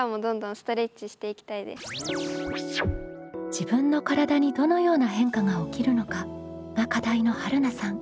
「自分の体にどのような変化が起きるのか」が課題のはるなさん。